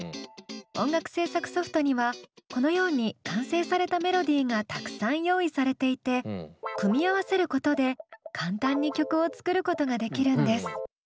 音楽制作ソフトにはこのように完成されたメロディーがたくさん用意されていて組み合わせることで簡単に曲を作ることができるんです。